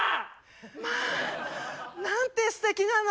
まあなんてすてきなの？